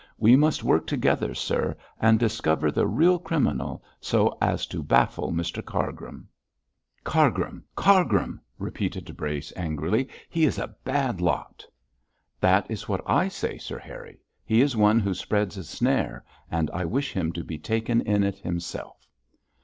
We must work together, sir, and discover the real criminal so as to baffle Mr Cargrim.' 'Cargrim, Cargrim,' repeated Brace, angrily, 'he is a bad lot.' 'That is what I say, Sir Harry. He is one who spreads a snare, and I wish him to be taken in it himself.'